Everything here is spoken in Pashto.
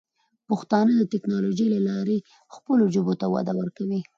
پښتانه د ټیکنالوجۍ له لارې خپلو ژبو ته وده ورکوي.